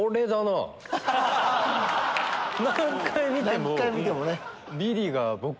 何回見ても。